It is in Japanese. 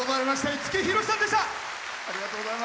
五木ひろしさんでした。